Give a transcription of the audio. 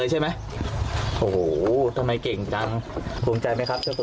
เหยียก